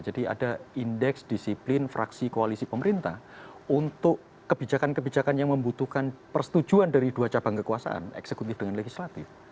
jadi ada indeks disiplin fraksi koalisi pemerintah untuk kebijakan kebijakan yang membutuhkan persetujuan dari dua cabang kekuasaan eksekutif dengan legislatif